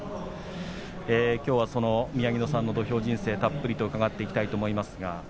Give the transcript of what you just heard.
きょうは宮城野さんの土俵人生たっぷりと伺っていきたいと思います。